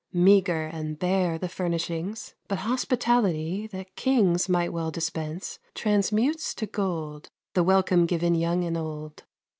Meager and bare the furnishings, But hospitality that kings Might well dispense, transmutes to gold, The welcome given young and old.